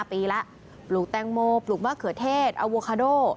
ปีแล้วปลูกแตงโมปลูกมะเขือเทศอโวคาโด